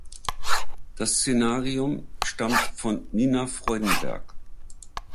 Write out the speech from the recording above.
Das Szenarium stammt von Nina Freudenberg.